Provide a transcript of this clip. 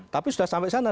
tapi sudah sampai sana